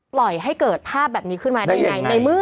ปล่อยให้เกิดภาพแบบนี้ขึ้นมาได้ยังไง